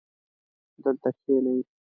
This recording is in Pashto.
دلته کښېنئ